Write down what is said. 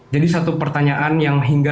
jadi satu pertanyaan yang hingga